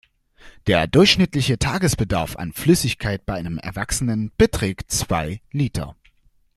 Der durchschnittliche Tagesbedarf an Flüssigkeit bei einem Erwachsenen beträgt zwei Liter.